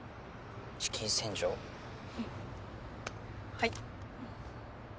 はい。